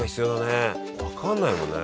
分かんないもんね。